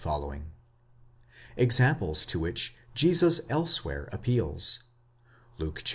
—examples to which Jesus elsewhere appeals (Luke iv.